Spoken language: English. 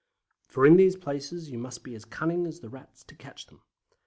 For in these places you must be as cunning as the Rats to catch them.